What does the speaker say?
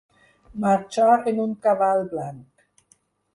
Marxar en un cavall blanc.